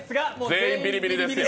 全員ビリビリですよ。